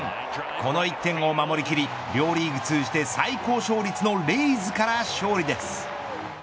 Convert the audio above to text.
この１点を守りきり両リーグ通じて最高勝率のレイズから勝利です。